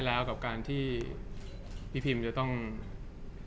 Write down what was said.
จากความไม่เข้าจันทร์ของผู้ใหญ่ของพ่อกับแม่